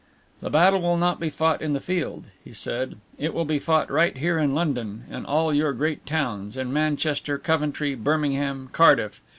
"The battle will not be fought in the field," he said, "it will be fought right here in London, in all your great towns, in Manchester, Coventry, Birmingham, Cardiff.